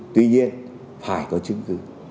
tuy nhiên phải có chứng cứ